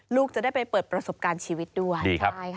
ลูกจะได้ไปเปิดประสบการณ์ชีวิตด้วย